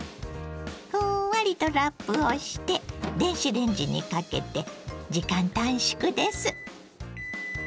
ふんわりとラップをして電子レンジにかけて時間短縮です。